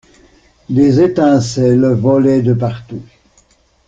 Des étincelles volaient de partout.